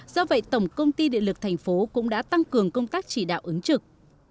do vậy tổng công ty điện lực thành phố cũng đã tăng cường công tác chỉ đạo ứng trực